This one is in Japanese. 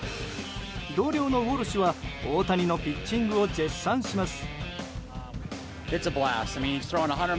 同僚のウォルシュは大谷のピッチングを絶賛します。